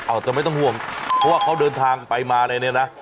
เอาแต่ไม่ต้องห่วงเพราะว่าเขาเดินทางไปมาอะไรเนี่ยนะ